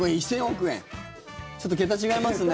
ちょっと桁、違いますね。